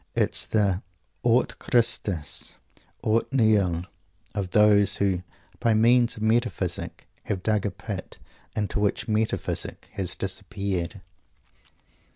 It is the "Aut Christus aut Nihil" of those who "by means of metaphysic" have dug a pit, into which metaphysic has disappeared!